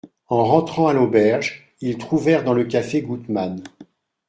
En rentrant à l'auberge, ils trouvèrent dans le café Goutman.